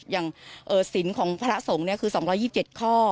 อย่างสินของพระสงฆ์คือ๒๒๗ข้อ